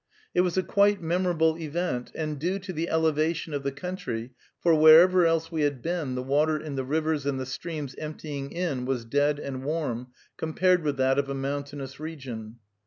It was a quite memorable event, and due to the elevation of the country, for wherever else we had been the water in the rivers and the streams emptying in was dead and warm, compared with that of a mountainous region.